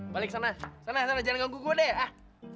balik sana sana jangan ganggu gue deh